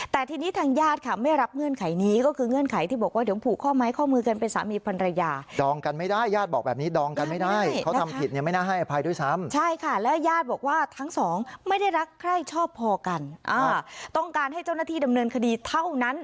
ทั้งสองไม่ได้รักใครชอบพอกันต้องการให้เจ้าหน้าที่ดำเนินคดีเท่านั้น